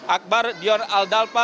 akbar dion aldapa